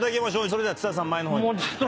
それでは津田さん前の方に。